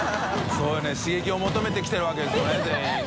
修Δ茲刺激を求めて来てるわけですよね全員ね。